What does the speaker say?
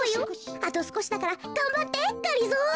あとすこしだからがんばってがりぞー。